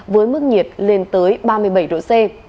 với mức nhiệt lên tới ba mươi bảy độ c